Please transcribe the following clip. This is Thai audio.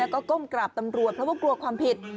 แล้วก็ก้มกราบตำรวจเพราะว่ากลัวความผิด